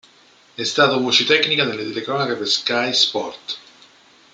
È stato voce tecnica nelle telecronache per Sky Sport.